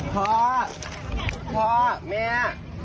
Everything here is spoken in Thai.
พ่อพ่อแม่